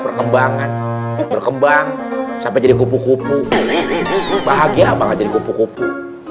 perkembangan berkembang sampai jadi kupu kupu bahagia banget jadi kupu kupu